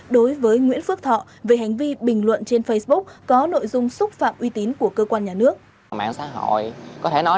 đối với nguyễn phước thọ về hành vi bình luận trên facebook có nội dung xúc phạm uy tín của cơ quan nhà nước